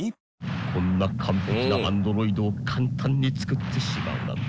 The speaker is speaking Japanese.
こんな完璧なアンドロイドを簡単に作ってしまうなんて